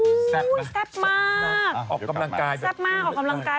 แซ่บมากออกกำลังกายแซ่บมากออกกำลังกาย